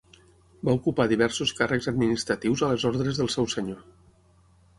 Va ocupar diversos càrrecs administratius a les ordes del seu senyor.